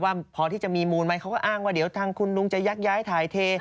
ว่าพอที่จะมีมูลไหมเขาก็อ้างว่าเดี๋ยวทางคุณลุงจะยักย้ายถ่ายเท